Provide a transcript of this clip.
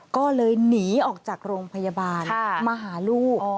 ก็เลยหนีออกจากโรงพยาบาลมาหาลูก